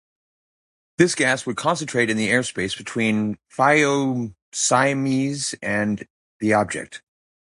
This gas would concentrate in the airspace between the "Phycomyces" and the object.